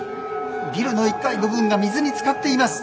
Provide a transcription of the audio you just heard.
ビルの１階部分が水につかっています。